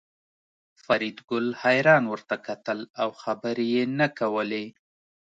فریدګل حیران ورته کتل او خبرې یې نه کولې